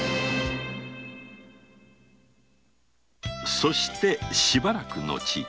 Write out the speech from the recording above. そしてしばらく後